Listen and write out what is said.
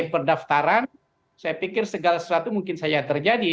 pendaftaran saya pikir segala sesuatu mungkin saja terjadi